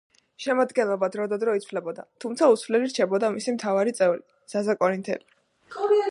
შემადგენლობა დრო და დრო იცვლებოდა, თუმცა უცვლელი რჩებოდა მისი მთავარი წევრი, ზაზა კორინთელი.